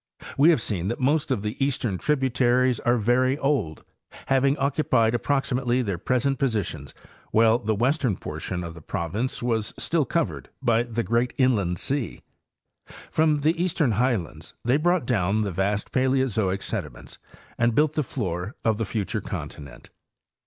We haye seen that most of the eastern tribu taries are very old, having occupied approximately their present positions while the western portion of the province was still covered by the great inland sea. From the eastern highlands they brought down the vast Paleozoic sediments and built the floor of the future continent.